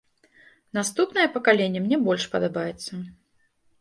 Наступнае пакаленне мне больш падабаецца.